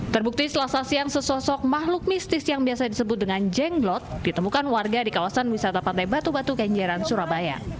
terbukti selasa siang sesosok makhluk mistis yang biasa disebut dengan jenglot ditemukan warga di kawasan wisata pantai batu batu kenjeran surabaya